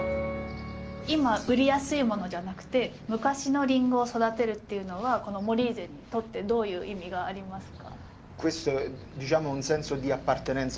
今売りやすいものじゃなくて昔のりんごを育てるっていうのはこのモリーゼにとってどういう意味がありますか？